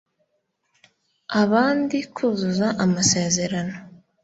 abandi, kuzuza amasezerano